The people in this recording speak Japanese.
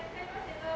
どうぞ。